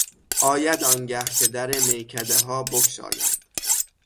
آید آنگه که در میکدهها بگشایند